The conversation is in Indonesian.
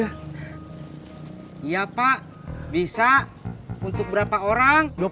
iya pak bisa untuk berapa orang